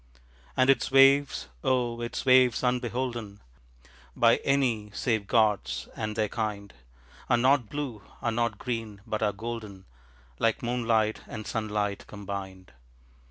And its waves, oh, its waves unbeholden By any save gods, and their kind, Are not blue, are not green, but are golden, Like moonlight and sunlight combined.